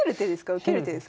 受ける手ですか？